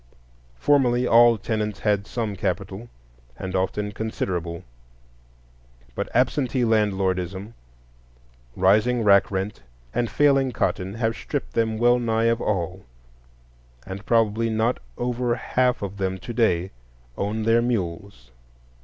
Formerly all tenants had some capital, and often considerable; but absentee landlordism, rising rack rent, and failing cotton have stripped them well nigh of all, and probably not over half of them to day own their mules.